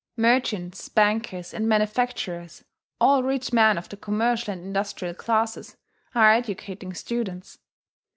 Merchants, bankers, and manufacturers all rich men of the commercial and industrial classes are educating students.